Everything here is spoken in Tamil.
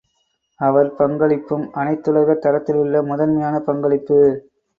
அவர் பங்களிப்பும் அனைத்துலகத் தரத்திலுள்ள முதன்மையான பங்களிப்பு.